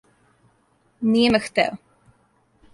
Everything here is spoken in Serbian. Није ме хтео.